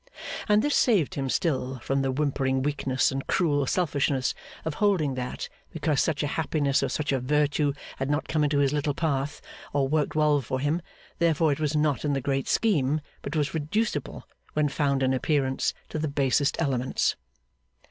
And this saved him still from the whimpering weakness and cruel selfishness of holding that because such a happiness or such a virtue had not come into his little path, or worked well for him, therefore it was not in the great scheme, but was reducible, when found in appearance, to the basest elements.